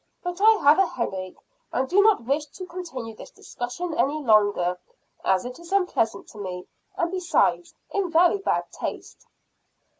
But I have a headache, and do not wish to continue this discussion any longer, as it is unpleasant to me, and besides in very bad taste."